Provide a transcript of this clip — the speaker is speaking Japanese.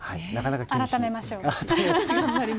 改めましょう。